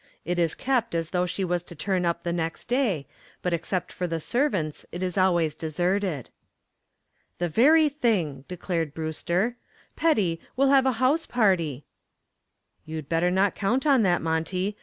It is kept as though she was to turn up the next day, but except for the servants it is always deserted." "The very thing," declared Brewster; "Petty, we'll have a house party." "You'd better not count on that, Monty.